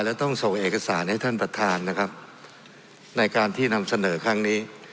และต้องส่งเอกสารให้ท่านประธานนะครับในการที่นำเสนอครั้งนี้